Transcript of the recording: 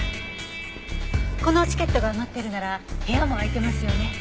このチケットが余っているなら部屋も空いてますよね？